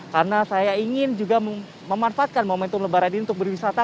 karena saya ingin juga memanfaatkan momentum lebaran ini untuk berwisata